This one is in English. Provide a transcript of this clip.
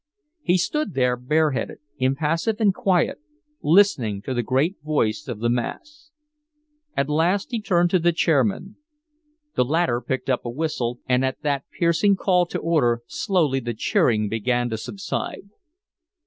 He stood there bareheaded, impassive and quiet, listening to the great voice of the mass. At last he turned to the chairman. The latter picked up a whistle, and at that piercing call to order slowly the cheering began to subside.